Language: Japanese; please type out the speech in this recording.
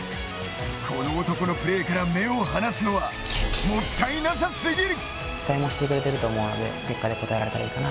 この男のプレーから目を離すのはもったいなさすぎる。